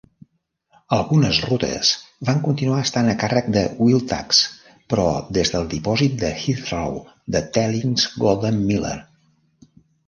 Algunes rutes van continuar estant a càrrec de Wiltax, però des del dipòsit de Heathrow de Tellings-Golden Miller.